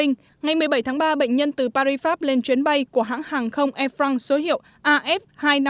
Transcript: ngày một mươi bảy tháng ba bệnh nhân từ paris pháp lên chuyến bay của hãng hàng không air france số hiệu af hai trăm năm mươi bốn